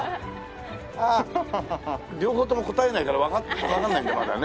ああ両方とも答えないからわかんないんだまだね。